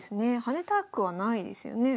跳ねたくはないですよね。